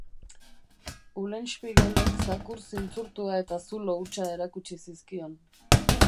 Ulenspiegelek zakur zintzurtua eta zulo hutsa erakutsi zizkion.